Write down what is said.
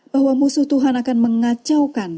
bahwa musuh tuhan akan mengacaukan